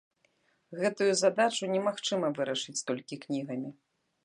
Гэтую задачу немагчыма вырашыць толькі кнігамі.